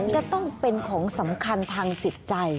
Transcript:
จะต้องเป็นของสำคัญทางจิตใจ